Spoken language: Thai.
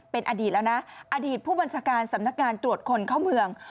เป็นอดีตแล้วนะอดีตผู้บัญชาการสำนักงานตรวจคนเข้าเมือง